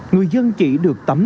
người dân chỉ được tắm